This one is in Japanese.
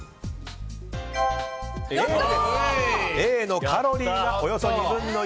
Ａのカロリーがおよそ２分の１。